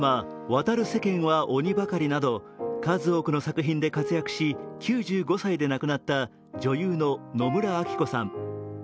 「渡る世間は鬼ばかり」など数多くの作品で活躍し９５歳で亡くなった女優の野村昭子さん。